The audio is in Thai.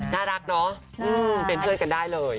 น่ารักเนาะเป็นเพื่อนกันได้เลย